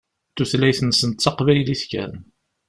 Tutlayt-nsent d taqbaylit kan.